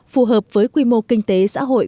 phù hợp với quy mô kinh tế xã hội